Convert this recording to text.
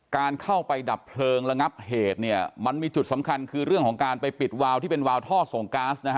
การเข้าไปดับเพลิงระงับเหตุเนี่ยมันมีจุดสำคัญคือเรื่องของการไปปิดวาวที่เป็นวาวท่อส่งก๊าซนะฮะ